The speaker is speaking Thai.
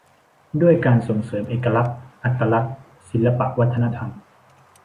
ด้วยการส่งเสริมเอกลักษณ์ อัตลักษณ์ ศิลปวัฒนธรรม